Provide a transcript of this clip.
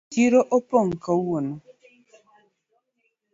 Chiro opong kawuono.